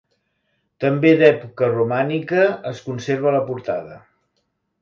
També d'època romànica es conserva la portada.